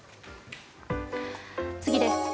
次です。